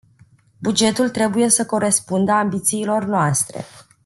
Bugetul trebuie să corespundă ambițiilor noastre.